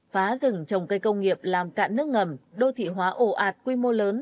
phá rừng trồng cây công nghiệp làm cạn nước ngầm đô thị hóa ổ ạt quy mô lớn